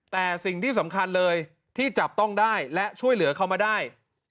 แต่สิ่งที่สำคัญเลยที่จับต้องได้และช่วยเหลือเขามาได้